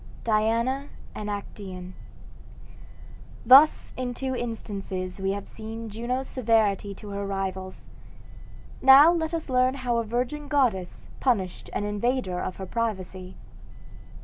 DIANA AND ACTAEON Thus in two instances we have seen Juno's severity to her rivals; now let us learn how a virgin goddess punished an invader of her privacy.